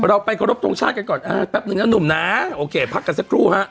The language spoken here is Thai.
เราไปขอรบทรงชาติกันก่อนอ่าแป๊บนึงนะหนุ่มนะโอเคพักกันสักครู่ฮะ